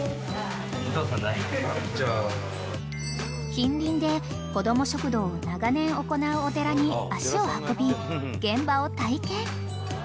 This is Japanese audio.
［近隣でこども食堂を長年行うお寺に足を運び］